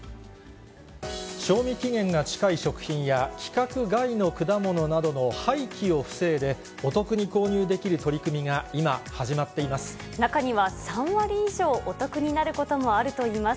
賞味期限が近い食品や、規格外の果物などの廃棄を防いで、お得に購入できる取り組みが今、中には、３割以上、お得になることもあるといいます。